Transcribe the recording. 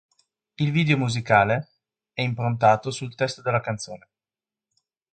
Il video musicale è improntato sul testo della canzone.